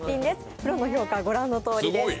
プロの評価はご覧のとおりでした。